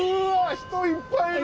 人いっぱいいる！